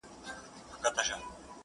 هم د زرو موږكانو سكه پلار يم،